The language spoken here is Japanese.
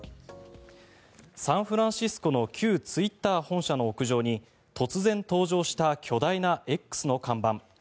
サンフランシスコの旧ツイッター本社の屋上に突然、登場した巨大なＸの看板。